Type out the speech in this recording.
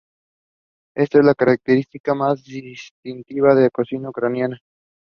Esta es la característica más distintiva de cocina ucraniana.